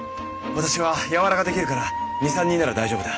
私は柔ができるから２３人なら大丈夫だ。